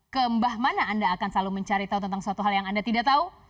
kembah mana anda akan selalu mencari tahu tentang suatu hal yang anda tidak tahu